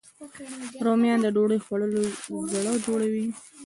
رومیان د ډوډۍ خوړلو زړه جوړوي